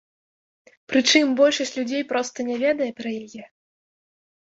Прычым большасць людзей проста не ведае пра яе.